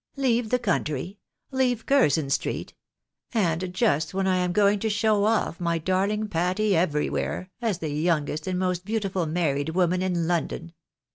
" Leave the country ? Leave Curzon street ? And just when I am going to show ofi" my darhng Patty everywhere, as the youngest and most beautiful married woman in London